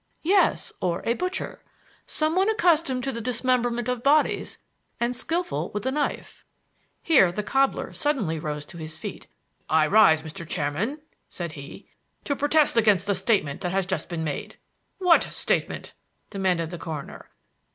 "Yes; or a butcher. Some one accustomed to the dismemberment of bodies and skilful with the knife." Here the cobbler suddenly rose to his feet. "I rise, Mr. Chairman," said he, "to protest against the statement that has just been made." "What statement?" demanded the coroner.